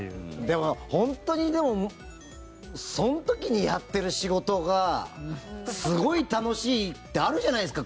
でも、本当にその時にやっている仕事がすごい楽しいってあるじゃないですか。